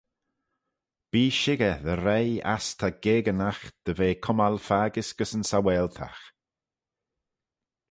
Bee shickyr dy reih ass ta geginagh dy ve cummal faggys gys yn Saualtagh.